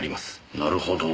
なるほど。